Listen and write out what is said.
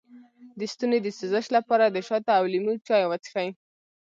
د ستوني د سوزش لپاره د شاتو او لیمو چای وڅښئ